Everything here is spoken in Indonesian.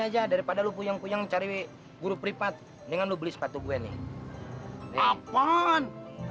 aja daripada lu kuyang kuyang cari wik guru pripat dengan lu beli sepatu gue nih kapan